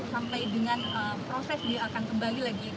sampai dengan proses dia akan kembali lagi